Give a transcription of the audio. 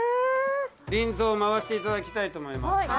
輪蔵回していただきたいと思います。